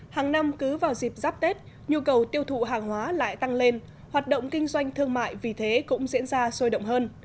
hàng năm cứ vào dịp giáp tết nhu cầu tiêu thụ hàng hóa lại tăng lên hoạt động kinh doanh thương mại vì thế cũng diễn ra sôi động hơn